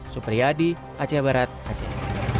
supriyadi aceh barat aceh